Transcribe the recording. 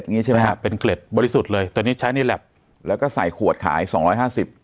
งี้ใช่ไหมฮะเป็นเกล็ดบริสุทธิ์เลยตอนนี้ใช้ในแล็บแล้วก็ใส่ขวดขายสองร้อยห้าสิบ